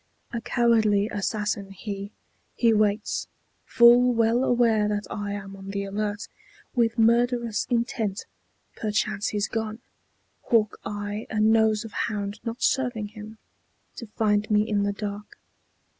A cowardly assassin he; he waits, Full well aware that I am on the alert, With murderous intent. Perchance he's gone, Hawk eye and nose of hound not serving him To find me in the dark.